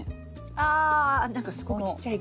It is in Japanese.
あ何かすごくちっちゃい。